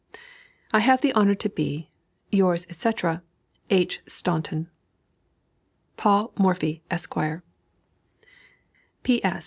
I have the honor to be, Yours, &c., H. STAUNTON. PAUL MORPHY, ESQ. P. S.